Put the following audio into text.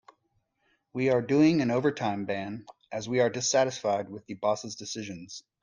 We are doing an overtime ban as we are dissatisfied with the boss' decisions.